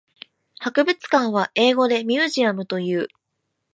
博物館は英語でミュージアムという。